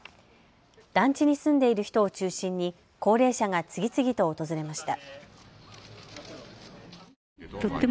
団地に住んでいる人を中心に高齢者が次々と訪れました。